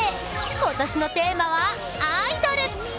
今年のテーマはアイドル。